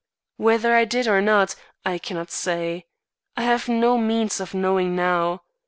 Whether I did or not, I cannot say. I have no means of knowing now.